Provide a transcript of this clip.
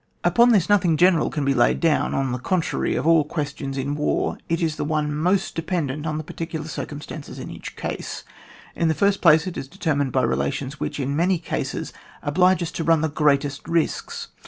Upon^this nothing general can be laid down ; on the con&ary, of all questions in war it is the one most de pendent on the particular circumstanoes in each case. In the first place, it is determined by relations which, in many oases, oblige us to run the greatest risks.